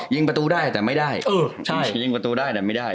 ยิงประตูได้แต่ไม่ได้เออใช่ยิงประตูได้แต่ไม่ได้